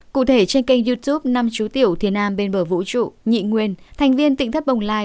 cụ thể trên kênh youtube năm chú tiểu thi nam bên bờ vũ trụ nhị nguyên thành viên tỉnh thất bồng lai